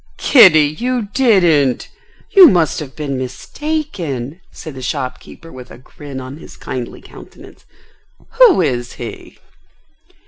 "Kitty, you didn't! You must have been mistaken?" said the shopkeeper with a grin on his kindly countenance. "Who is he?"